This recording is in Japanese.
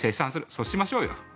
そうしましょうよ。